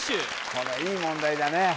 これいい問題だね